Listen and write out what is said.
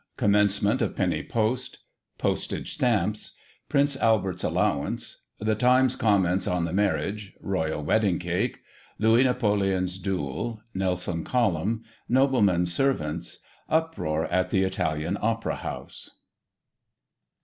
Commencement of Penny Post — Postage Stamps — Prince Albert's allowance — The Times comments on the Marriage — Royal Wedding Cake — Louis Napoleon's duel — Nelson Column — Noblemen's servants — Uproar at the Italian Opera House.